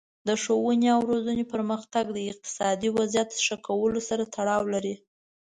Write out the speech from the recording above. د ښوونې او روزنې پرمختګ د اقتصادي وضعیت ښه کولو سره تړاو لري.